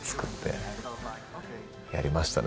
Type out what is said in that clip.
やりましたね。